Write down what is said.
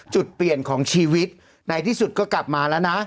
จุดเปลี่ยนของชีวิตในที่สุดก็กลับมาแล้วนะ